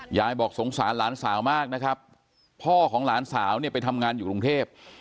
ยายบอกสงสารหลานสาวมากนะครับพ่อของหลานสาวเนี่ยไปทำงานอยู่กรุงเทพ